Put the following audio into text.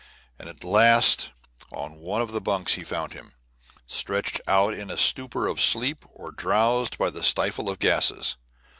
And at last on one of the bunks he found him, stretched out in a stupor of sleep or drowsed by the stifle of gases.